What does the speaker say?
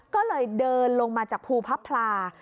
ก็เลยเดินลงมาจากภูพับพลา